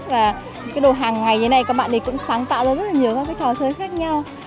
và cái đồ hàng ngày như thế này các bạn thì cũng sáng tạo ra rất là nhiều các cái trò chơi khác nhau